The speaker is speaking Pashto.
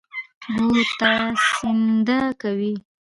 ګوتڅنډنه کوي